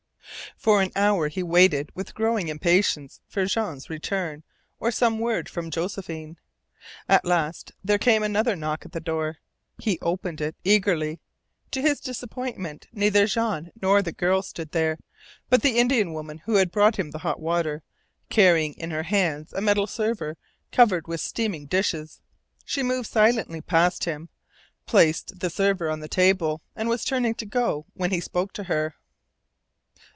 For an hour he waited with growing impatience for Jean's return or some word from Josephine. At last there came another knock at the door. He opened it eagerly. To his disappointment neither Jean nor the girl stood there, but the Indian woman who had brought him the hot water, carrying in her hands a metal server covered with steaming dishes. She moved silently past him, placed the server on the table, and was turning to go when he spoke to her.